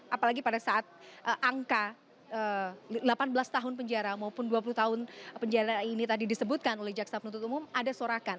apalagi pada saat angka delapan belas tahun penjara maupun dua puluh tahun penjara ini tadi disebutkan oleh jaksa penuntut umum ada sorakan